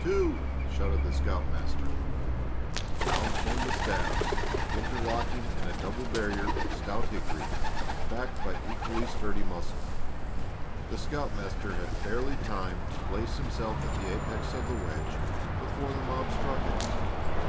"Two!" shouted the scoutmaster. Down swung the staves, interlocking in a double barrier of stout hickory backed by equally sturdy muscle. The scoutmaster had barely time to place himself at the apex of the wedge before the mob struck it.